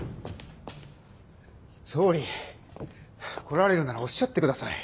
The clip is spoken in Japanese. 来られるならおっしゃってください。